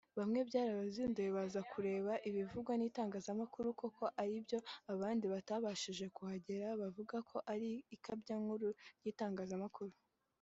Bamwe byarabazinduye baza kwirebera ibivugwa n’itangazamakuru koko aribyo abandi batabashije kuhagera bakavuga ko ari ikabyankuru ry’itangazamakuru